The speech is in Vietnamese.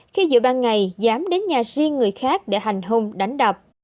khi giữa ban ngày giám đến nhà riêng người khác để hành hung đánh đập